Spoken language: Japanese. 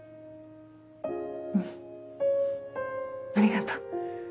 うんありがとう。